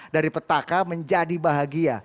dari petaka menjadi bahagia